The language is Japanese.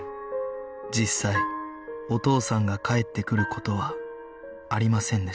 実際お父さんが帰ってくる事はありませんでした